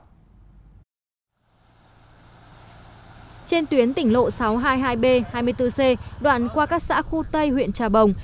trên tuyến tỉnh lộ sáu trăm hai mươi hai b hai mươi bốn c đoạn qua các xã khu tây huyện trà bồng